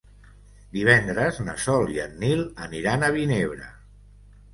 Divendres na Sol i en Nil aniran a Vinebre.